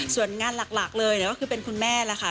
ส่วนงานหลักเลยก็คือเป็นคุณแม่ล่ะค่ะ